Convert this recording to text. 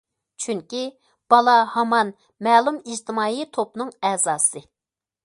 چۈنكى بالا ھامان مەلۇم ئىجتىمائىي توپنىڭ ئەزاسى.